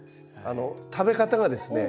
食べ方がですね